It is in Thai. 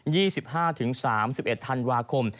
ยี่สิบห้าถึงสามสิบเอ็ดธันดวาคม